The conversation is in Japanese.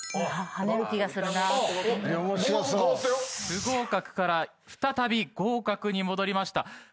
不合格から再び合格に戻りました。